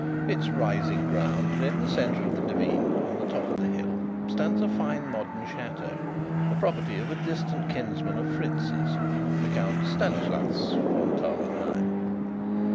It is rising ground, and in the centre of the demesne, on the top of the hill, stands a fine modern chateau, the property of a distant kinsman of Fritz's, the Count Stanislas von Tarlenheim.